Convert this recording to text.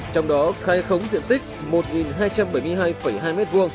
trong đó khai khống diện tích một hai trăm bảy mươi hai hai m hai